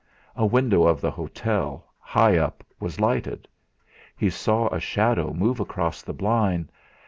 A window of the hotel, high up, was lighted; he saw a shadow move across the blind.